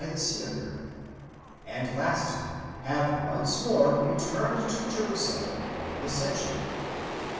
the sea occurred ; and lastly, have once more returned to Jerusalem for the ascension.